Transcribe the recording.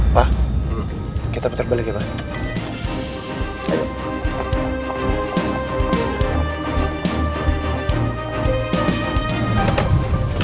pak kita putar balik ya pak